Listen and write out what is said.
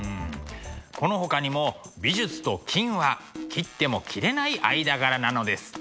このほかにも美術と金は切っても切れない間柄なのです。